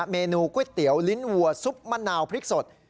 เมนูก๋วยเตี๋ยวลิ้นวัวซุปมะนาวพริกสด